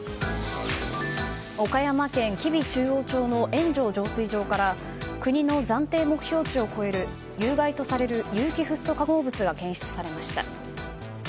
岡山県吉備中央町の円城浄水場から国の暫定目標値を超える有害とされる有機フッ素化合物が検出されました。